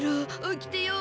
起きてよ